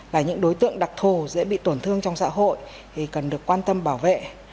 là những đối tượng đặc thù dễ bị tổn thương trong xã hội thì cần được quan tâm bảo vệ